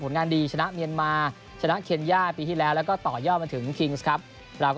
ผลงานดีชนะมีเยนมา